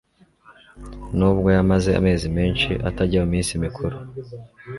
nubwo yamaze amezi menshi atajya mu minsi mikuru,